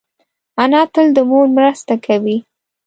انا تل د مور مرسته کوي